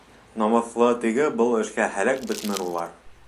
Намыҫлы, теге-был эшкә һәләк бөтмөр улар.